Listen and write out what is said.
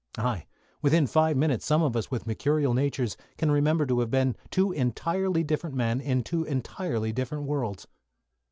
Aye, within five minutes some of us with mercurial natures can remember to have been two entirely different men in two entirely different worlds.